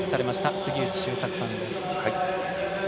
杉内周作さんです。